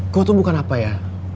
kau tuh bukan apa ya